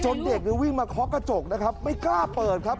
เด็กเนี่ยวิ่งมาเคาะกระจกนะครับไม่กล้าเปิดครับ